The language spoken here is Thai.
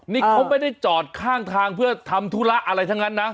นี่เขาไม่ได้จอดข้างทางเพื่อทำธุระอะไรทั้งนั้นนะ